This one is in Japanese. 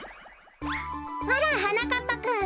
あらはなかっぱくん。